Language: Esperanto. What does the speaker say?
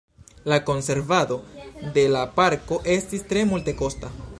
La konservado de la parko estis tre multekosta.